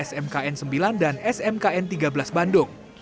smkn sembilan dan smkn tiga belas bandung